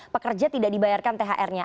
pekerja tidak dibayarkan thr nya